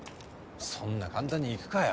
そんな簡単にいくかよ。